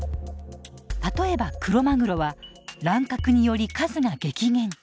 例えばクロマグロは乱獲により数が激減。